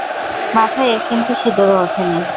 মাথায় এক চিমটি সিদুরও ওঠেনি।